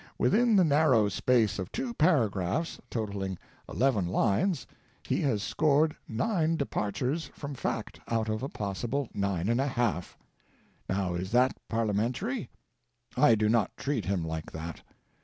Within the narrow space of two paragraphs, totaling eleven lines, he has scored nine de partures from fact out of a possible 9J. Now, is that parlia mentary ? I do not treat him like that.